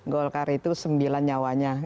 golkar itu sembilan nyawanya